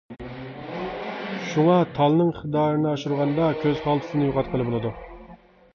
شۇڭا تالنىڭ ئىقتىدارىنى ئاشۇرغاندا كۆز خالتىسىنى يوقاتقىلى بولىدۇ.